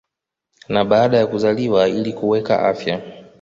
na baada ya kuzaliwa ili kuweka afya